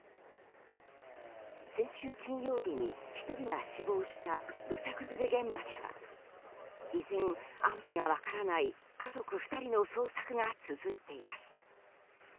先週金曜日に１人が死亡した土砂崩れ現場では依然、安否が分からない家族２人の捜索が続いています。